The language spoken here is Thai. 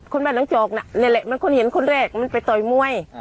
บ้านน้องจอกน่ะนี่แหละมันคนเห็นคนแรกมันไปต่อยมวย